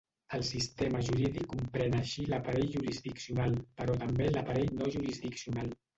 El sistema jurídic comprèn així l'aparell jurisdiccional, però també l'aparell no jurisdiccional.